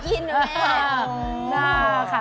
สอยกินนะแม่